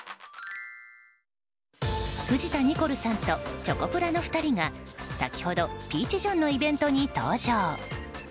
藤田ニコルさんとチョコプラの２人が先ほどＰＥＡＣＨＪＯＨＮのイベントに登場。